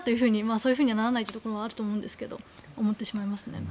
そういうふうにならないところもあると思うんですが思ってしまいますね。